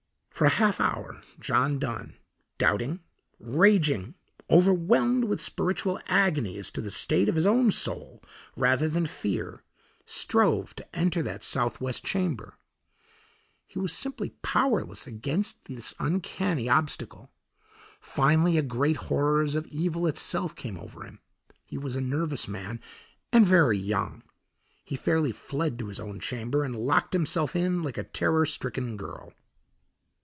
For a half hour John Dunn, doubting, raging, overwhelmed with spiritual agony as to the state of his own soul rather than fear, strove to enter that southwest chamber. He was simply powerless against this uncanny obstacle. Finally a great horror as of evil itself came over him. He was a nervous man and very young. He fairly fled to his own chamber and locked himself in like a terror stricken girl.